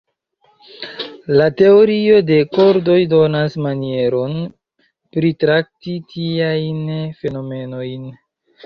La Teorio de kordoj donas manieron pritrakti tiajn fenomenojn.